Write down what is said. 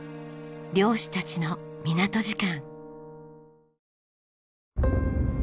漁師たちの港時間。